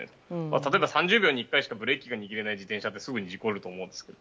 例えば３０秒に１回しかブレーキが握れない自転車ってすぐに事故ると思うんです。